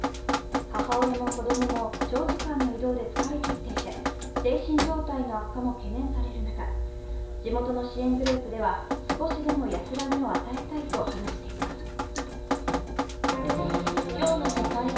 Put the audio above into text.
母親も子供も長時間の移動で疲れきっていて、精神状態の悪化も懸念される中、地元の支援グループでは少しでも安らぎを与えたいと話しています。